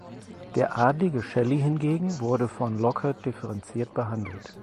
Der adlige Shelley hingegen wurde von Lockhart differenziert behandelt.